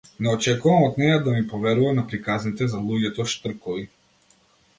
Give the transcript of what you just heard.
Не очекувам од неа да ми поверува на приказните за луѓето-штркови.